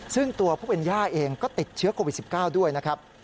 ซึ่งตัวผู้เป็นย่าเองก็ติดเชื้อโควิด๑๙ด้วยนะครับ